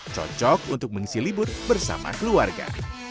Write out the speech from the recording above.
cocok untuk mengisi libur bersama keluarga